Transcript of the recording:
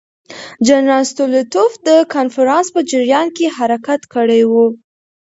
جنرال ستولیتوف د کنفرانس په جریان کې حرکت کړی وو.